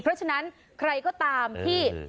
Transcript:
เพราะฉะนั้นใครก็ตามที่